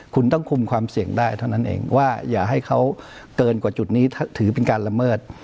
คุณต้องคุมความเสี่ยงได้เท่านั้นเองว่าอย่าให้เขาเกินกว่าจุดนี้ถือเป็นการละเมิด